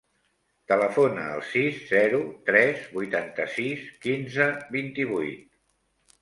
Telefona al sis, zero, tres, vuitanta-sis, quinze, vint-i-vuit.